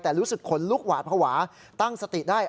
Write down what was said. แต่รู้สึกขนลุกหวาดภาวะตั้งสติได้